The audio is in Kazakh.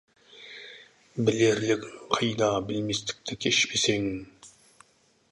Білерлігің қайда, білместікті кешпесең?!